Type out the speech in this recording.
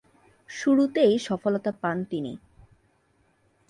শুরুতেই সফলতা পান তিনি।